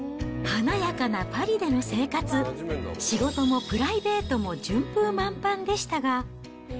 華やかなパリでの生活、仕事もプライベートも順風満帆でしたが。